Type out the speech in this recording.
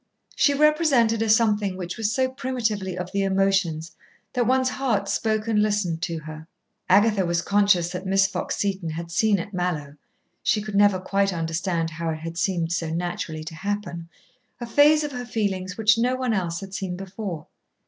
She represented a something which was so primitively of the emotions that one's heart spoke and listened to her. Agatha was conscious that Miss Fox Seton had seen at Mallowe she could never quite understand how it had seemed so naturally to happen a phase of her feelings which no one else had seen before.